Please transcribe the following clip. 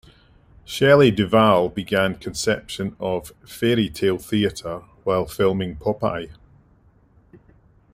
Shelley Duvall began conception of "Faerie Tale Theatre" while filming "Popeye".